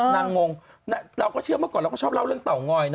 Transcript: งงเราก็เชื่อเมื่อก่อนเราก็ชอบเล่าเรื่องเตางอยนะ